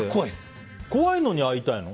怖いのに会いたいの？